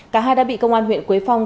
cả hai đã bị công an huyện quế phong